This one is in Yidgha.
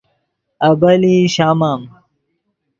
ابیلئی شامم